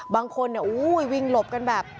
บางคนวิ่งหลบกันแบบ